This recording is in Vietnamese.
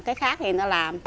cái khác thì người ta làm